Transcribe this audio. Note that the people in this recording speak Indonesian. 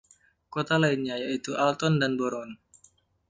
Kota lainnya yaitu Alton dan Boron.